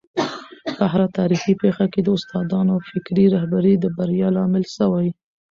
په هره تاریخي پېښه کي د استادانو فکري رهبري د بریا لامل سوی.